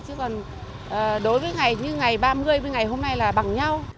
chứ còn đối với ngày như ngày ba mươi với ngày hôm nay là bằng nhau